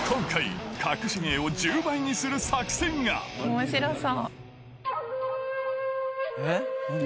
面白そう。